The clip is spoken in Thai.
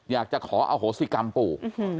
อยากจะขออโหสิกรรมปู่